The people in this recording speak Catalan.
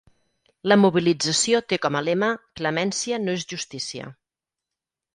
La mobilització té com a lema Clemència no és justícia.